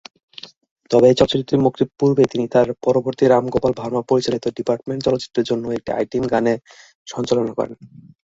তবে এই চলচ্চিত্রটির মুক্তির পূর্বেই তিনি তার পরবর্তী রাম গোপাল ভার্মা পরিচালিত "ডিপার্টমেন্ট" চলচ্চিত্রের জন্য একটি আইটেম গানে সঞ্চালন করেন।